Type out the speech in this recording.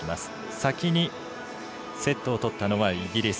先にセットを取ったのはイギリス。